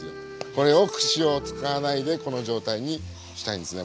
これを串を使わないでこの状態にしたいんですね。